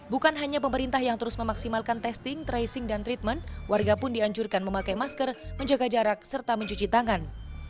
bukan hanya pemerintah yang terus memaksimalkan testing tracing dan treatment warga pun dianjurkan memakai masker menjaga jarak serta mencuci tangan